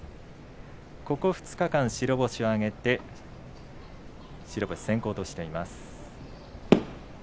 ここ２日間、白星を挙げて白星先行としています。